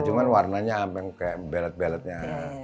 cuma warnanya ampe kayak belet beletnya